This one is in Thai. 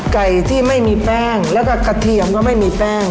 ไก่ที่ไม่มีแป้งแล้วก็กระเทียมก็ไม่มีแป้ง